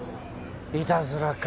いたずらか。